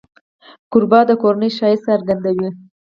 کوربه د کورنۍ ښایست څرګندوي.